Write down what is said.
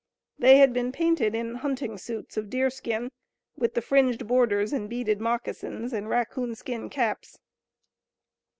They had been painted in hunting suits of deerskin, with the fringed borders and beaded moccasins, and raccoon skin caps.